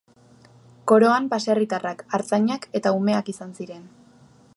Koroan baserritarrak, artzainak eta umeak izan ziren.